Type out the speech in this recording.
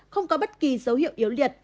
không có bất kỳ dấu hiệu yếu liệt